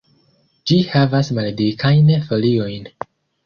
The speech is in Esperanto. Ĝi havas maldikajn foliojn.